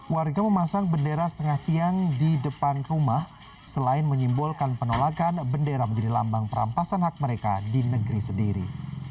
warga memasang bendera setengah tiang di depan rumah selain menyimbolkan penolakan bendera menjadi lambang perampasan hak mereka di negeri sendiri